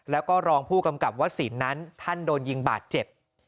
แล้วก็รองผู้กำกับวสินนั้นท่านโดนยิงบาดเจ็บ